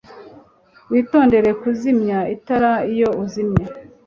Witondere kuzimya itara iyo uzimye